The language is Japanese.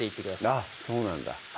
あっそうなんだ